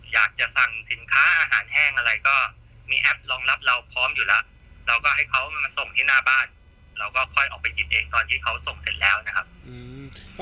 อยากจะสั่งสินค้าอาหารแห้งอะไรก็มีแอปรองรับเราพร้อมอยู่แล้วเราก็ให้เขามาส่งที่หน้าบ้านเราก็ค่อยออกไปหยิบเองตอนที่เขาส่งเสร็จแล้วนะครับอืม